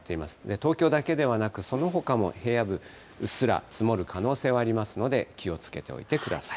東京だけではなく、そのほかも平野部、うっすら積もる可能性はありますので、気をつけておいてください。